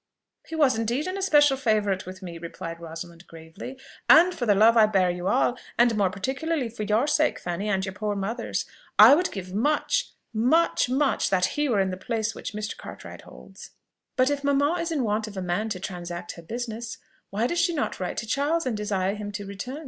"He was indeed an especial favourite with me!" replied Rosalind gravely; "and for the love I bear you all, and more particularly for your sake, Fanny, and your poor mother's, I would give much much much, that he were in the place which Mr. Cartwright holds." "But if mamma is in want of a man to transact her business, why does she not write to Charles and desire him to return?"